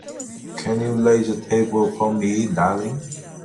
Can you lay the table for me, darling?